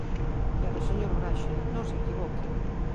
Pero, señor Braxe, non se equivoque.